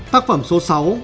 tác phẩm số sáu